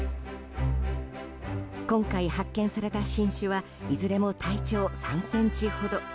今回発見された新種はいずれも体長３ｃｍほど。